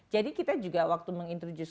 jadi kita juga waktu menginterjus